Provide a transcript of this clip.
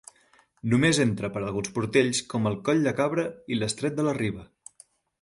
Només entra per alguns portells com el coll de Cabra i l'estret de la Riba.